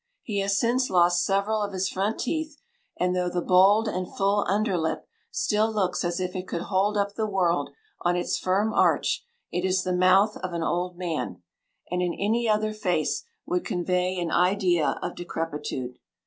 He has since lost several of his front teeth, and though the bold and full under lip still looks as if it could hold up the world on its firm arch, it is the mouth of an old man, and in any other face would convey an idea of decrepitude.